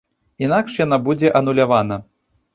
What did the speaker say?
Інакш яна будзе анулявана.